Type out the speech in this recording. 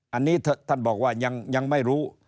อันนี้ท่านบอกว่ายังไม่รู้